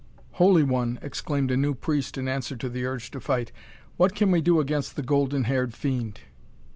"Holy One," exclaimed a new priest in answer to the urge to fight, "what can we do against the golden haired fiend?